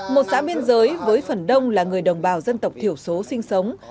một xã biên giới với phần đông là người đồng bào dân tộc thiểu số sinh sống